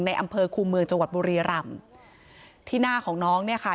ในอำเภอคูเมืองจังหวัดบุรีรำที่หน้าของน้องเนี่ยค่ะ